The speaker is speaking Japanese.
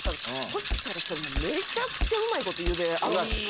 そしたらそれもうめちゃくちゃうまい事茹で上がって。